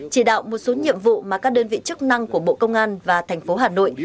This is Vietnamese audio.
chỉ đạo một số nhiệm vụ mà các đơn vị chức năng của bộ công an và thành phố hà nội